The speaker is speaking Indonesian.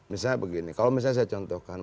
misalnya begini kalau misalnya saya contohkan